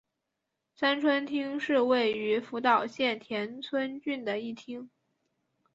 三春町是位于福岛县田村郡的一町。